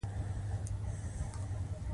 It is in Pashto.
څنډې يې د سنت په طريقه برابرې وې.